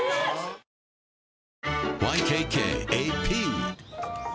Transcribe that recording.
ＹＫＫＡＰ